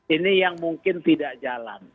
ini yang mungkin tidak jalan